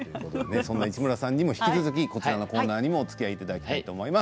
そんな市村さんにも引き続きこちらのコーナーにもおつきあいいただきたいと思います。